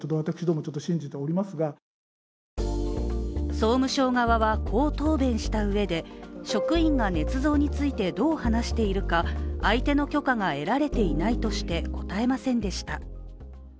総務省側は、こう答弁したうえで職員がねつ造についてどう話しているか相手の許可が得られていないとして答えませんでした。